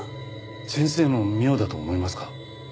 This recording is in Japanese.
先生も妙だと思いますか。